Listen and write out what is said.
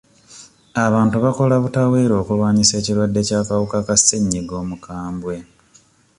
Abantu bakola butaweera okulwanyisa ekirwadde ky'akawuka ka ssenyiga omukambwe.